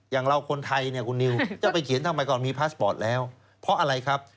อย่างเราคนไทยเนี่ยคุณนิวจะไปเขียนทำไมก่อนมีพาสปอร์ตแล้วเพราะอะไรครับ